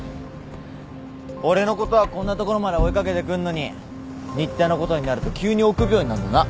俺のことはこんな所まで追い掛けてくんのに新田のことになると急に臆病になんのな。